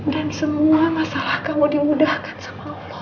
dan semua masalah kamu diudahkan sama allah